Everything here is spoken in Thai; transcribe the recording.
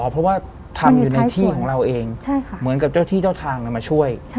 เพราะว่าทำอยู่ในที่ของเราเองเหมือนกับเจ้าที่เจ้าทางมาช่วย